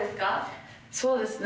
そうですね。